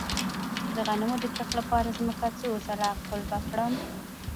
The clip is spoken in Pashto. د غنمو د کښت لپاره ځمکه څو ځله قلبه کړم؟